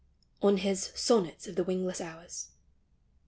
ON HIS "SONNETS OF THE WINGLESS HOURS."